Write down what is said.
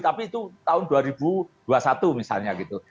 tapi itu tahun dua ribu dua puluh satu misalnya gitu